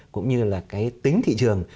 cũng như là cái tính thị trường